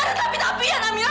gak ada tapi tapian amira